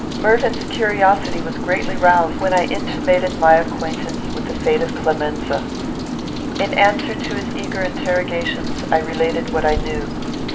Mervyn's curiosity was greatly roused when I intimated my acquaintance with the fate of Clemenza. In answer to his eager interrogations, I related what I knew.